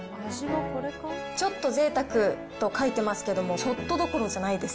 ちょっと贅沢と書いてますけども、ちょっとどころじゃないです。